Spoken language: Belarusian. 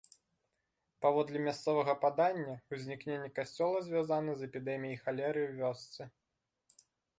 Паводле мясцовага падання, узнікненне касцёла звязана з эпідэміяй халеры ў вёсцы.